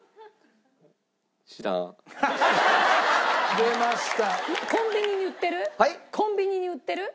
出ました！